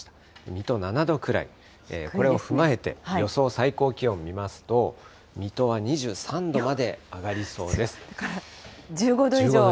水戸７度くらい、これを踏まえて、予想最高気温見ますと、水戸は２３度まで上がりそうです。